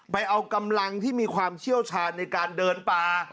ไปเอากำลังที่มีความเชี่ยวชาญในการเดินป่า